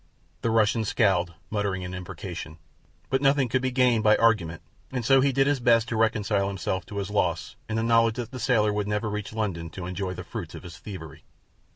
The Russian scowled, muttering an imprecation; but nothing could be gained by argument, and so he did his best to reconcile himself to his loss in the knowledge that the sailor would never reach London to enjoy the fruits of his thievery.